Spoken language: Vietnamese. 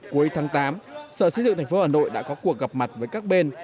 cuối tháng tám sở xây dựng tp hà nội đã có cuộc gặp mặt với các bên